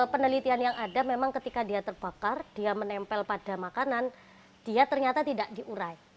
penelitian yang ada memang ketika dia terbakar dia menempel pada makanan dia ternyata tidak diurai